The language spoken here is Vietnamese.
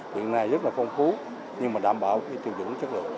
hiện nay rất là phong phú nhưng mà đảm bảo tiêu dùng chất lượng